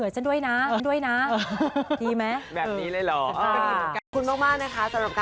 จะได้ไม่ต้องมามีปัญหามากังวลใจว่า